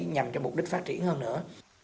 nhằm cho mục đích phát triển hơn nữa